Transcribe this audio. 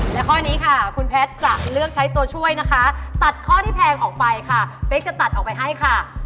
และข้อนี้ค่ะคุณแพทย์จะเลือกใช้ตัวช่วยนะคะตัดข้อที่แพงออกไปค่ะเป๊กจะตัดออกไปให้ค่ะ